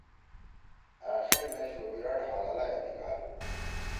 آخر مے شو بیِراڑ حلالا ئے نیِگھالُو۔